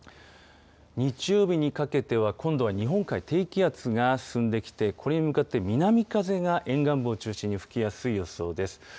日曜日にかけては、今度は日本海、低気圧が進んできて、これに向かって南風が、沿岸部を中心に吹きやすい予想です。